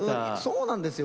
そうなんですよ。